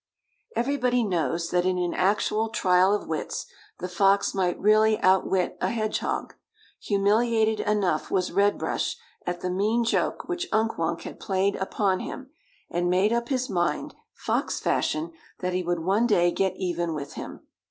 Everybody knows that in an actual trial of wits the fox might really outwit a hedgehog. Humiliated enough was Red Brush at the mean joke which Unk Wunk had played upon him, and made up his mind, fox fashion, that he would one day get even with him.